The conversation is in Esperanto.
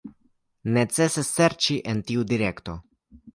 Necesas serĉi en tiu direkto.